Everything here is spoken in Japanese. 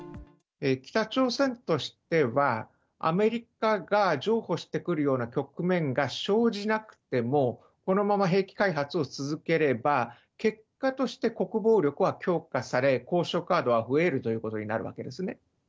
北朝鮮としては、アメリカが譲歩してくるような局面が生じなくても、このまま兵器開発を続ければ、結果として国防力は強化され、交渉カードが増えるということになるわけですね。